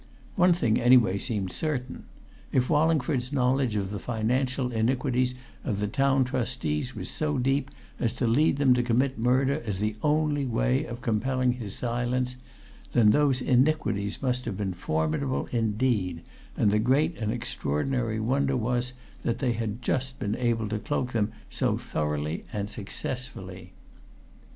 One thing, anyway, seemed certain if Wallingford's knowledge of the financial iniquities of the Town Trustees was so deep as to lead them to commit murder as the only way of compelling his silence, then those iniquities must have been formidable indeed and the great and extraordinary wonder was that they had just been able to cloak them so thoroughly and successfully.